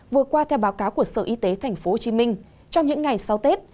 vừa qua theo báo cáo của sở y tế tp hcm trong những ngày sau tết